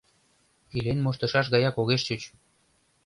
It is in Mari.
Илен моштышаш гаяк огеш чуч.